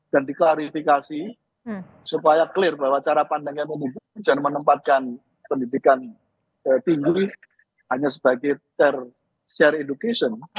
dan diklarifikasi supaya clear bahwa cara pandang yang menempati jangan menempatkan pendidikan tinggi hanya sebagai tertial education